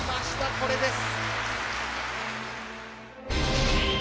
これです。